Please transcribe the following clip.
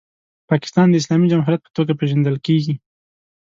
پاکستان د اسلامي جمهوریت په توګه پیژندل کیږي.